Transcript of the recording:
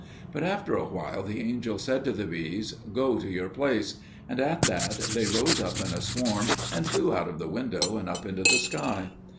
But after a while the angel said to the bees, "Go to your place," and at that they rose up in a swarm and flew out of the window and up into the sky.